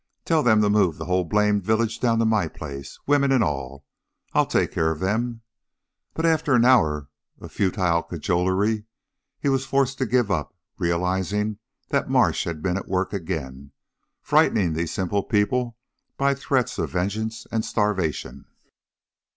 "Tell them to move the whole blamed village down to my place, women and all. I'll take care of them." But after an hour of futile cajolery, he was forced to give up, realizing that Marsh had been at work again, frightening these simple people by threats of vengeance and starvation.